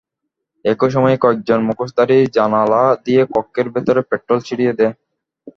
একই সময়ে কয়েকজন মুখোশধারী জানালা দিয়ে কক্ষের ভেতরে পেট্রল ছিটিয়ে দেয়।